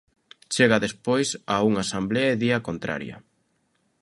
Chega despois a unha asemblea e di a contraria.